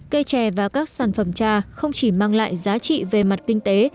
cây chè và các sản phẩm trà không chỉ mang lại giá trị về mặt kinh tế